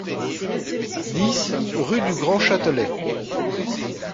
dix rue du Grand Châtelet